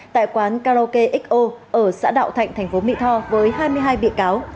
tại quán karaoke xo ở xã đạo thạnh thành phố mỹ tho với hai mươi hai bị cáo